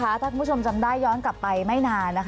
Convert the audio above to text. ว่าถ้ามึงได้ย้อนกลับไปไม่นาน